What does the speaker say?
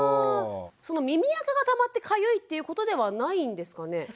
その耳あかがたまってかゆいっていうことではないんですかね？